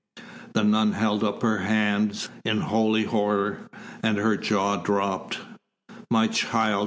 The nun held up her hands in holy horror, and her jaw dropped. "My child!